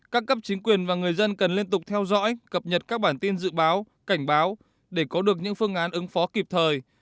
các cấp chính quyền và người dân cần liên tục theo dõi cập nhật các bản tin dự báo cảnh báo để có được những phương án ứng phó kịp thời